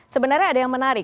sebenarnya ada yang menarik